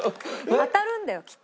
当たるんだよきっと。